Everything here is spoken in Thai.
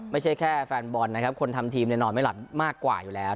ไม่ใช่แค่แฟนบอลนะครับคนทำทีมเนี่ยนอนไม่หลับมากกว่าอยู่แล้ว